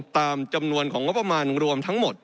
ตามจำนวนของงบประมาณรวมทั้งหมด